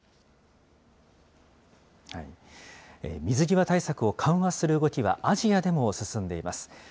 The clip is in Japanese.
水際対策を緩和する動きは、アジアでも進んでいます。